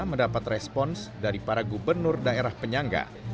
mendapat respons dari para gubernur daerah penyangga